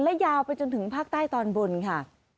และยาวไปจนถึงภาคใต้ตอนบนค่ะ